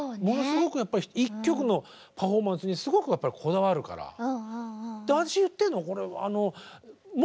ものすごくやっぱり１曲のパフォーマンスにすごくやっぱりこだわるから。